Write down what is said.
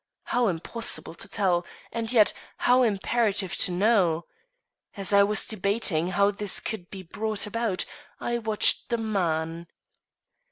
How impossible to tell, and yet how imperative to know! As I was debating how this could be brought about, I watched the man.